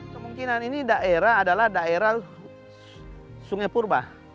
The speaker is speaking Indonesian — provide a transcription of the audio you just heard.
kemungkinan ini daerah adalah daerah sungai purba